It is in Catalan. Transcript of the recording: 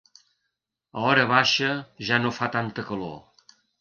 A hora baixa ja no fa tanta calor.